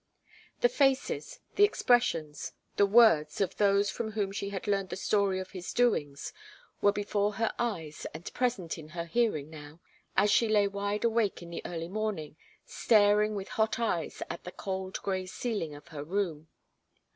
The faces, the expressions, the words, of those from whom she had learned the story of his doings were before her eyes and present in her hearing now, as she lay wide awake in the early morning, staring with hot eyes at the cold grey ceiling of her room.